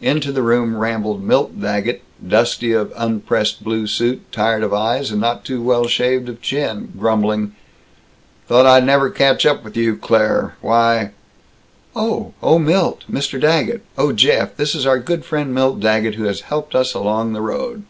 Into the room rambled Milt Daggett, dusty of unpressed blue suit, tired of eyes, and not too well shaved of chin, grumbling, "Thought I'd never catch up with you, Claire Why " "Oh! Oh, Milt Mr. Daggett Oh, Jeff, this is our good friend Milt Daggett, who has helped us along the road."